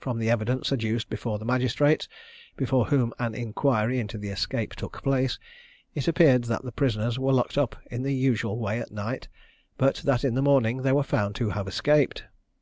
From the evidence adduced before the magistrates, before whom an inquiry into the escape took place, it appeared that the prisoners were locked up in the usual way at night, but that in the morning they were found to have escaped.